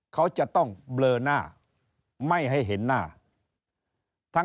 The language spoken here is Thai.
เขาจะต้องเบลอหน้าไม่ให้เห็นหน้าทั้ง